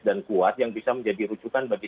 dan kuat yang bisa menjadi rujukan bagi